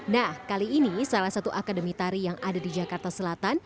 nah kali ini salah satu akademi tari yang ada di jakarta selatan